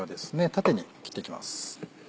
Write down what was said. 縦に切っていきます。